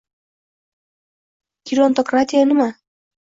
Gerontokratiya nima?